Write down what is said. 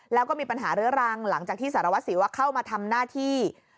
แล้วก็มีปัญหาเรื้อรังหลังจากที่สารวัสสิวเข้ามาทำหน้าที่